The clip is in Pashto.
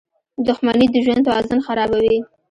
• دښمني د ژوند توازن خرابوي.